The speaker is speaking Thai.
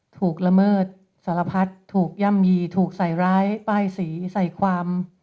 ละเมิดสารพัดถูกย่ำยีถูกใส่ร้ายป้ายสีใส่ความ